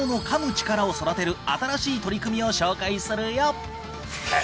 チカラを育てる新しい取り組みを紹介するよ。